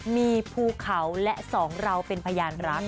มีภูเขาและสองเราเป็นพยานรัก